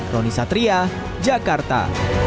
roni satria jakarta